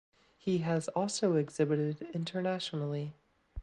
He has also exhibited internationally.